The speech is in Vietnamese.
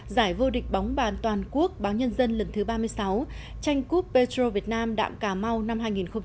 giải vô địch bóng bàn toàn quốc báo nhân dân lần thứ ba mươi sáu tranh cúp petro việt nam đạm cà mau năm hai nghìn một mươi chín